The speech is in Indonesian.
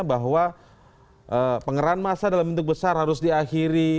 bahwa pengerahan masa dalam bentuk besar harus diakhiri